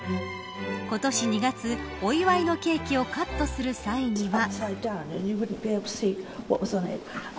今年２月、お祝いのケーキをカットする際には。